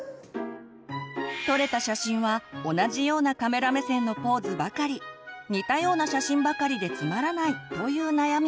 撮れた写真は同じようなカメラ目線のポーズばかり似たような写真ばかりでつまらないという悩みも。